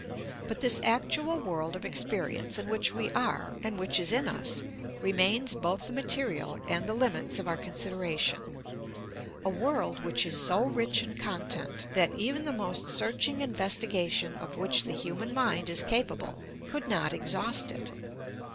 But this actual world of experience, in which we are, and which is in us, remains both the material and the limits of our consideration: a world which is so rich in content that even the most searching investigation of which the human mind is capable could not exhaust it.